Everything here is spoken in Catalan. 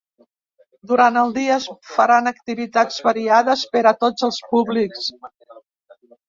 Durant el dia es faran activitats variades per a tots els públics.